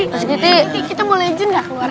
nasi giti kita mau legend gak keluar